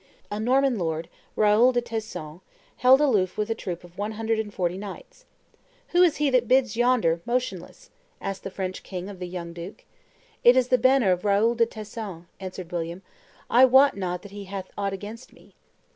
A Norman lord, Raoul de Tesson, held aloof with a troop of one hundred and forty knights. "Who is he that bides yonder motionless?" asked the French king of the young duke. "It is the banner of Raoul de Tesson," answered William; "I wot not that he hath aught against me."